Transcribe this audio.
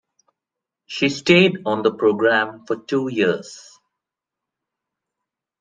She stayed on the programme for two years.